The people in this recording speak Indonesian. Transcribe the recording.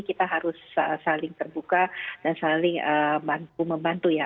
kita harus saling terbuka dan saling membantu ya